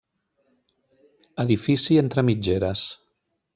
Edifici entre mitgeres.